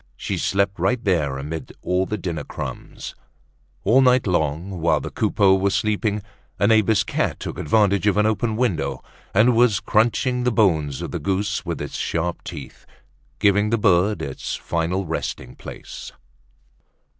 She slept right there amid all the dinner crumbs. All night long, while the Coupeaus were sleeping, a neighbor's cat took advantage of an open window and was crunching the bones of the goose with its sharp teeth, giving the bird its final resting place.